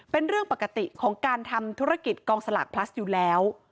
เป็นเรื่องปกติของการทำธุรกิจกองสลากพลัสอยู่แล้ว